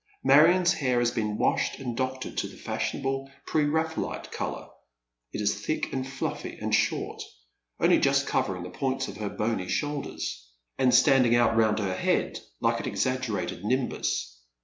Marion's hair has been washed and doctored to the fashionable pre Raphaelite colour. It is thick and fluffy, »Jiid short, only just covering the points of her bony shoulder. frl Dead Merits Shoet. and standing ont ronnd her head like an exaggerated nimbus.